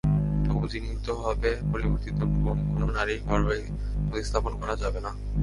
তবে জিনগতভাবে পরিবর্তিত ভ্রূণ কোনো নারীর গর্ভে প্রতিস্থাপন করা যাবে না।